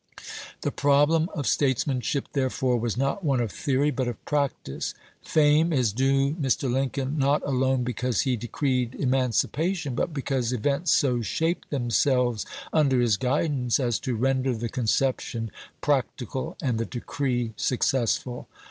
The problem of statesmanship therefore was not one of theory, but of practice. Fame is due Mr. Lincoln, not alone because he decreed emancipation, but because events so shaped themselves under his guidance as to render the conception practical and the decree successful.